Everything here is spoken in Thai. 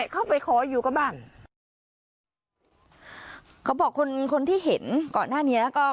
เขาบอกคนที่เห็นก่อนหน้านี้ก็